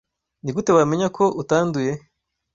Nigute wamenya ko utanduye?